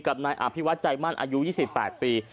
กับนายอภิวัตใจมั่นอายุ๒๘ปี